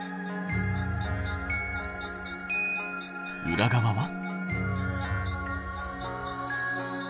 裏側は？